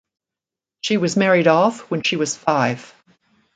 She was married off when she was five.